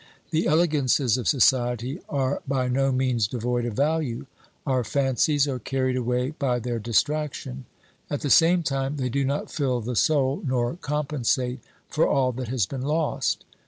The elegances of society are by no means devoid of value ; our fancies are carried away by their distraction. At the same time they do not fill the soul, nor compensate for all that has been lost.